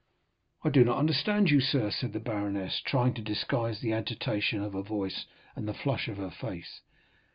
"I do not understand you, sir," said the baroness, trying to disguise the agitation of her voice and the flush of her face.